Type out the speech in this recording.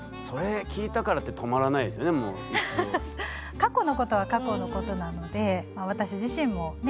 過去のことは過去のことなので私自身もね